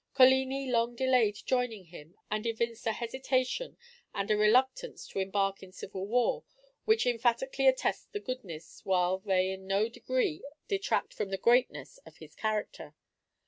Coligni long delayed joining him, and evinced a hesitation and a reluctance to embark in civil war, which emphatically attest the goodness while they in no degree detract from the greatness of his character.